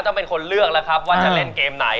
ต้องเป็นคนเลือกแล้วครับว่าจะเล่นเกมไหน